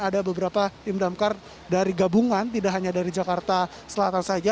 ada beberapa tim damkar dari gabungan tidak hanya dari jakarta selatan saja